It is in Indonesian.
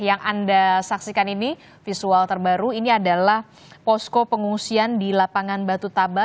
yang anda saksikan ini visual terbaru ini adalah posko pengungsian di lapangan batu taba